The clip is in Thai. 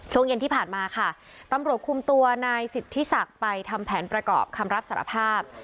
ช่วงเย็นที่ผ่านมาค่ะตำรวจคุมตัวนายสิทธิศักดิ์ไปทำแผนประกอบคำรับสารภาพ